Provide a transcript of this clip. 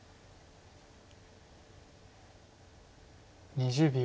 ２０秒。